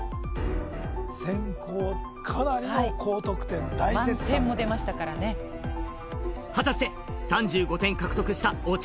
先攻かなりの高得点大絶賛満点も出ましたからね果たして３５点獲得したお茶